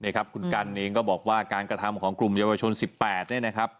คุณกันเองก็บอกว่าการกระทำของกลุ่มเยาวชน๑๘เนี่ยนะครับ